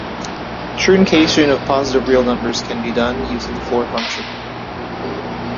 Truncation of positive real numbers can be done using the floor function.